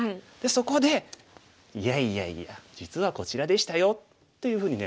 そこで「いやいやいや実はこちらでしたよ」というふうに狙うのがいいんですね。